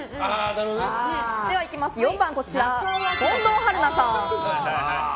４番、近藤春菜さん。